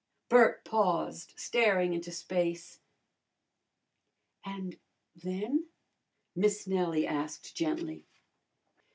Bert paused, staring into space. "And then?" Miss Nellie asked gently.